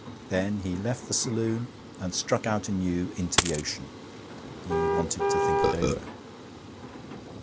Then he left the saloon and struck out anew into the ocean. He wanted to think it over.